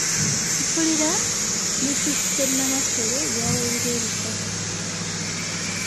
Mpulira bifisse Nnamasole byawulira e Lusaka.